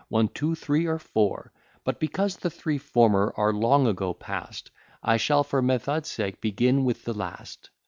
One, two, three, or four, But, because the three former are long ago past, I shall, for method sake, begin with the last.